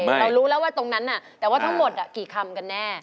เรารู้แล้วว่าตรงนั้นแต่ว่าทั้งหมดกี่คำกันแน่